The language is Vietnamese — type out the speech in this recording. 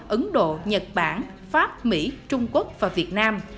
ấn độ nhật bản pháp mỹ trung quốc và việt nam